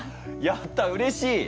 やったうれしい！